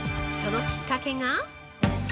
そのきっかけが？